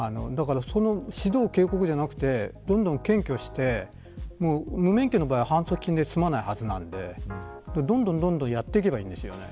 指導・警告じゃなくてどんどん検挙して無免許の場合は反則金で済まないはずなんでどんどんやっていけばいいんですよね。